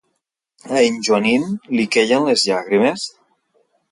A en Joanín li queien les llàgrimes?